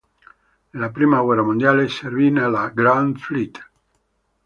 Nella prima guerra mondiale servì nella "Grand Fleet".